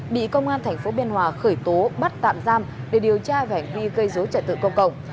bị công an tp biên hòa khởi tố bắt tạm giam để điều tra về hành vi gây dối trật tự công cộng